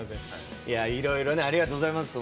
いろいろ、ありがとうございます。